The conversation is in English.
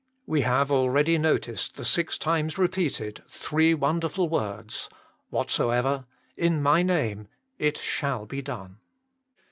We have already noticed the six times repeated three wonderful words Whatsoever In My Name It shall be done.